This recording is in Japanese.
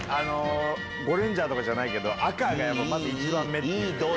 ゴレンジャーとかじゃないけど、赤がまず１番目っていう。